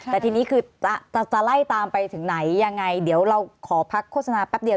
แต่ทีนี้คือจะไล่ตามไปถึงไหนยังไงเดี๋ยวเราขอพักโฆษณาแป๊บเดียว